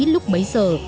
lúc bấy giờ